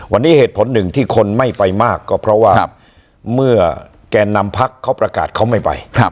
วันนี้เหตุผลหนึ่งที่คนไม่ไปมากก็เพราะว่าเมื่อแก่นำพักเขาประกาศเขาไม่ไป